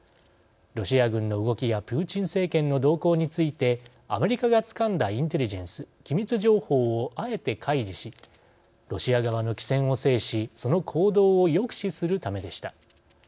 ロシア軍の動きやプーチン政権の動向についてアメリカがつかんだインテリジェンス機密情報をあえて開示しロシア側の機先を制しその行動を抑止するためでした。